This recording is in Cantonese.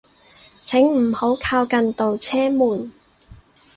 請唔好靠近度車門